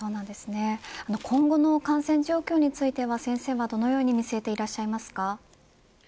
今後の感染状況については先生はどのように見据えていらっしゃいますか。